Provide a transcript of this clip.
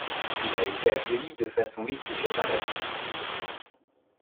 Il a été accueilli de façon mitigée par la critique.